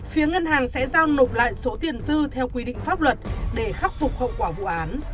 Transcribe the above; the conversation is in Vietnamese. phía ngân hàng sẽ giao nộp lại số tiền dư theo quy định pháp luật để khắc phục hậu quả vụ án